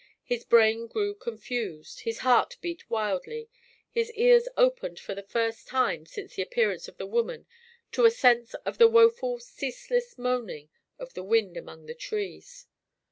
His brain grew confused his heart beat wildly his ears opened for the first time since the appearance of the woman to a sense of the woeful ceaseless moaning of the wind among the trees.